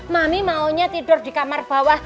mami maunya tidur di kamar bawah